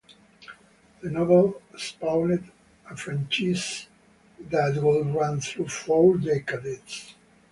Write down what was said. The novel spawned a franchise that would run through four decades.